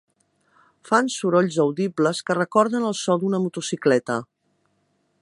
Fan sorolls audibles que recorden el so d'una motocicleta.